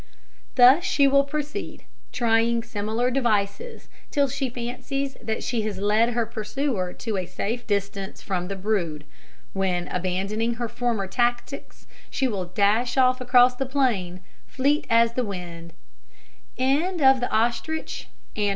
Thus she will proceed, trying similar devices, till she fancies that she has led her pursuer to a safe distance from the brood, when, abandoning her former tactics, she will dash off across the plain, fleet as the wind.